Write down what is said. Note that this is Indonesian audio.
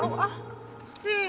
tunggu aku mau jalan